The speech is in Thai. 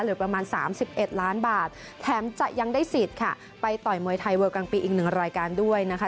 ประมาณสามสิบเอ็ดล้านบาทแถมจะยังได้สิทธิ์ค่ะไปต่อยมวยไทยเวอร์กลางปีอีกหนึ่งรายการด้วยนะคะ